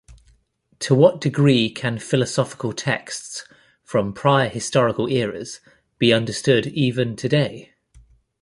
To what degree can philosophical texts from prior historical eras be understood even today?